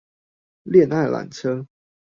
戀愛纜車